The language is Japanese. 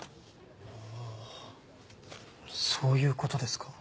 あぁそういうことですか。